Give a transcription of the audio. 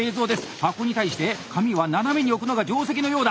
箱に対して紙は斜めに置くのが定石のようだ。